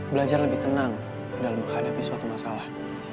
belajar lebih tenang dalam menghadapi suatu masalah